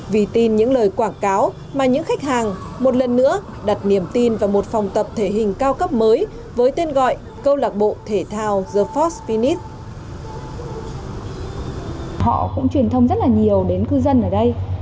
vì tin những lời quảng cáo mà những khách hàng một lần nữa đặt niềm tin vào một phòng tập thể hình cao cấp mới với tên gọi câu lạc bộ thể thao the ford pinis